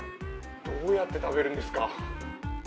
どうやって食べるんですか。